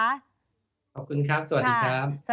ขอบคุณครับสวัสดีครับ